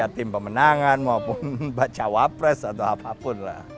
ya tim pemenangan maupun baca wapres atau apapun lah